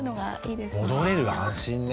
戻れる安心ね。